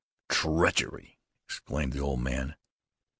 "Treachery!" exclaimed the old man.